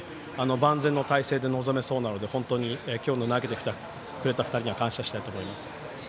万全の態勢で臨めそうなので本当に今日投げてくれた２人には感謝したいと思います。